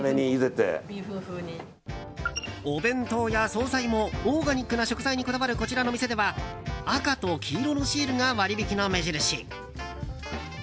お弁当や総菜もオーガニックな食材にこだわるこちらの店では赤と黄色のシールが割引の目印。